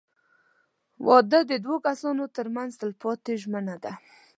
• واده د دوه کسانو تر منځ تلپاتې ژمنه ده.